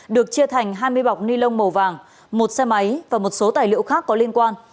được chia thành hai mươi bọc ni lông màu vàng một xe máy và một số tài liệu khác có liên quan